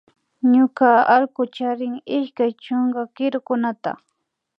Ñuka allku charin ishkay chunka kirukunata